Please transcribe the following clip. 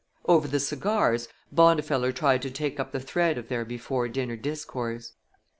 Over the cigars, Bondifeller tried to take up the thread of their before dinner discourse.